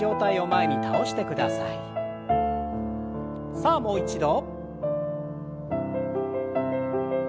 さあもう一度。